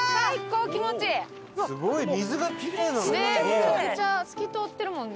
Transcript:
めちゃくちゃ透き通ってるもんね。